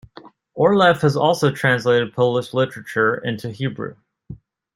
Orlev has also translated Polish literature into Hebrew.